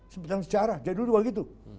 sebenarnya sejarah jadul juga begitu